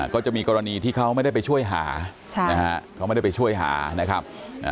ก็จะมีกรณีที่เขาไม่ได้ไปช่วยหาเขาไม่ได้ไปช่วยหานะครับ